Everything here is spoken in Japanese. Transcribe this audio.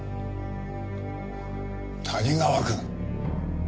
谷川くん。